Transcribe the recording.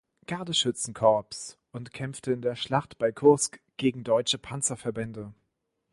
Gardeschützen-Korps und kämpfte in der Schlacht bei Kursk gegen deutsche Panzerverbände.